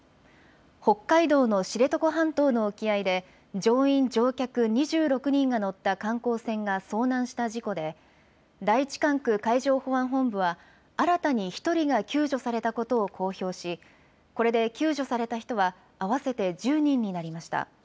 北海道の知床半島の沖合で乗員・乗客２６人が乗った観光船が遭難した事故で第１管区海上保安本部は新たに１人が救助されたことを公表しこれで救助された人は合わせて１０人になりました。